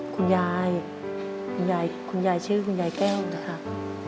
คุณยายคุณยายชื่อคุณยายแก้วนะครับ